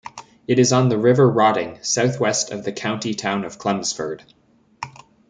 It is on the River Roding, southwest of the county town of Chelmsford.